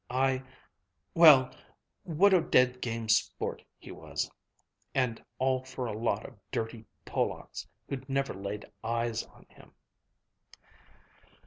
Well, what a dead game sport he was! And all for a lot of dirty Polacks who'd never laid eyes on him!"